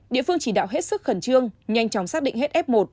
địa phương chỉ đạo hết sức khẩn trương nhanh chóng xác định hết f một